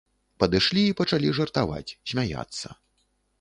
Падышлі і пачалі жартаваць, смяяцца.